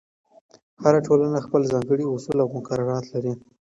هر ټولنه خپل ځانګړي اصول او مقررات لري.